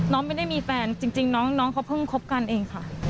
ไม่ได้มีแฟนจริงน้องเขาเพิ่งคบกันเองค่ะ